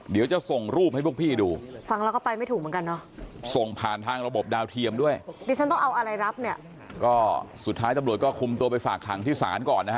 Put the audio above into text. ดิฉันต้องเอาอะไรรับเนี่ยก็สุดท้ายตำรวจก็คุมตัวไปฝากทางที่ศาลก่อนนะฮะ